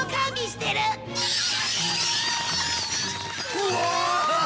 うわ！